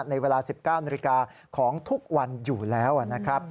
ในเวลา๑๙นาฬิกาของทุกวันอยู่แล้วนะครับ